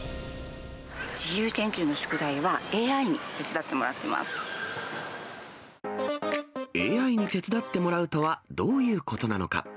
自由研究の宿題はＡＩに手伝ＡＩに手伝ってもらうとはどういうことなのか。